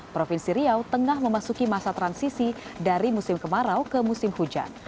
provinsi riau tengah memasuki masa transisi dari musim kemarau ke musim hujan